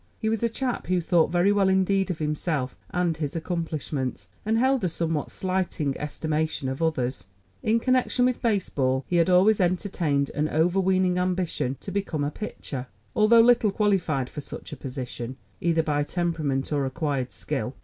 He was a chap who thought very well indeed of himself and his accomplishments, and held a somewhat slighting estimation of others. In connection with baseball, he had always entertained an overweening ambition to become a pitcher, although little qualified for such a position, either by temperament or acquired skill.